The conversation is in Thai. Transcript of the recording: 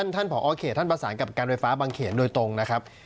ผอเขตท่านประสานกับการไฟฟ้าบางเขนโดยตรงนะครับ